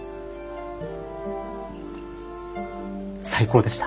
最高でした。